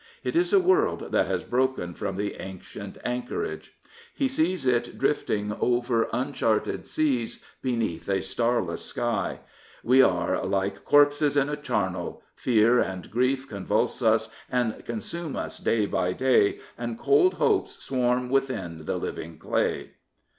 It is a world that has broken from the ancient anchorage. He sees it drifting over uncharted seas beneath a starless sky. We are like corpses in a charnel, Fear and grief convulse us and consume us day by day, And cold hopes swarm within the living clay.